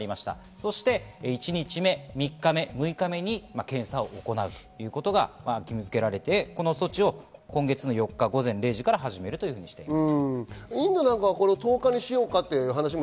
そして１日目、３日目、６日目に検査を行うということが義務づけられて、その措置を今月の４日午前０時から始めるとしています。